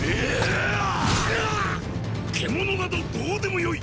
獣などどうでもよい！